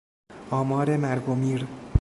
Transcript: آمار مرگ و میر